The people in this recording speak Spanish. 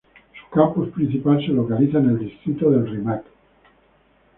Su campus principal se localiza en el distrito del Rímac.